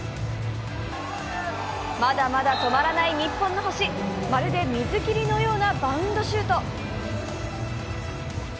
まだまだ止まらない日本の星まるで水切りのようなバウンドシュート。